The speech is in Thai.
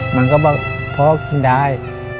มันก็บอกพ่อกินได้